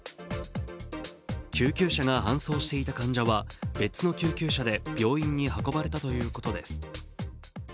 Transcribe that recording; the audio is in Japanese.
救急車が搬送していた患者は別の救急車で病院に運ばれたということです。